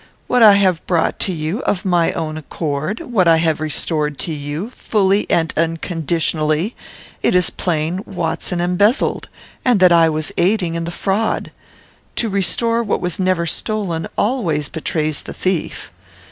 What I have brought to you, of my own accord; what I have restored to you, fully and unconditionally, it is plain Watson embezzled, and that I was aiding in the fraud. To restore what was never stolen always betrays the thief.